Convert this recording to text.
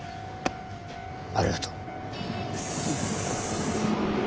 ありがとう。